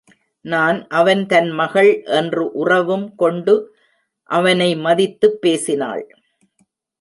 நான் அவன் தன் மகள் என்று உறவும் கொண்டு அவனை மதித்துப் பேசினாள்.